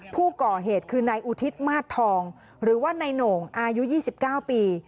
ผู้ก่อเหตุคือนายอุทิศมาสทองหรือว่านายโหน่งอายุ๒๙ปี